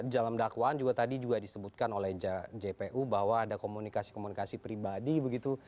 dalam dakwaan juga tadi juga disebutkan oleh jpu bahwa ada komunikasi komunikasi pribadi begitu